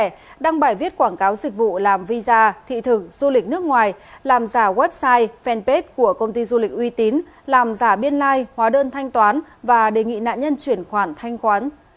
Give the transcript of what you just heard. đăng tải đăng bài viết quảng cáo dịch vụ làm visa thị thực du lịch nước ngoài làm giả website fanpage của công ty du lịch uy tín làm giả biên lai hóa đơn thanh toán và đề nghị nạn nhân chuyển khoản thanh toán